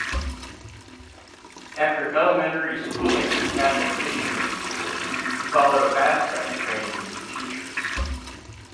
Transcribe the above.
After elementary schooling in Catholic missionary schools, he followed a fast-track training for teachers.